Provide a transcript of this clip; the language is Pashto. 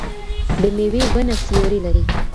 بې ميوې ونه سيوری لري.